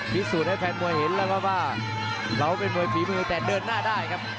พิสูจน์ให้แฟนมวยเห็นแล้วครับว่าเราเป็นมวยฝีมือแต่เดินหน้าได้ครับ